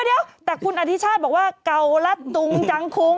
เดี๋ยวแต่คุณอธิชาติบอกว่าเก่าและตุงจังคุ้ง